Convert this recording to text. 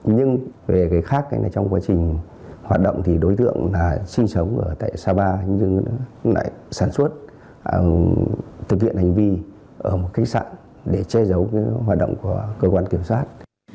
nhưng về cái khác là trong quá trình hoạt động thì đối tượng là sinh sống ở tại sapa nhưng lại sản xuất thực hiện hành vi ở một khách sạn để che giấu hoạt động của cơ quan kiểm soát